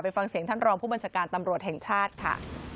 ฟังเสียงท่านรองผู้บัญชาการตำรวจแห่งชาติค่ะ